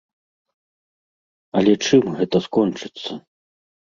Але чым гэта скончыцца?